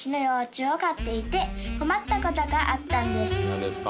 なんですか？